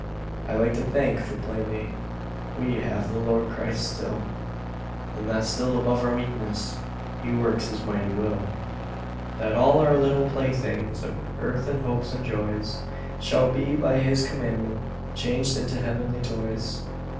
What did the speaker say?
I like to think, for playmate We have the Lord Christ still, And that still above our weakness He works His mighty will, That all our little playthings Of earthen hopes and joys Shall be, by His commandment, Changed into heavenly toys.